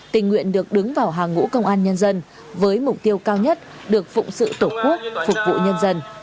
tình nguyện được đứng vào hàng ngũ công an nhân dân với mục tiêu cao nhất được phụng sự tổ quốc phục vụ nhân dân